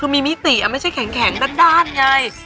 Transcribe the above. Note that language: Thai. มีมิติไม่ใช่แข็งแข็งด้านยังไง